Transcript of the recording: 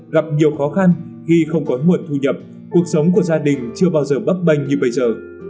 gặp nhiều khó khăn khi không có nguồn thu nhập cuộc sống của gia đình chưa bao giờ bấp bênh như bây giờ